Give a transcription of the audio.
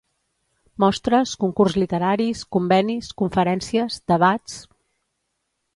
Mostres, concurs literaris, convenis, conferències, debats